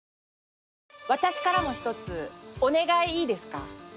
私からも一つお願いいいですか？